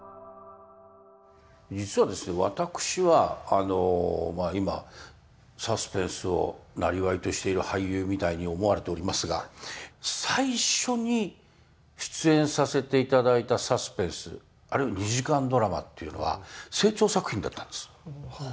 私は今サスペンスをなりわいとしている俳優みたいに思われておりますが最初に出演させて頂いたサスペンス２時間ドラマっていうのは清張作品だったんです。